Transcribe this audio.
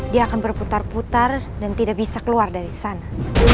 dia akan berputar putar dan tidak bisa keluar dari sana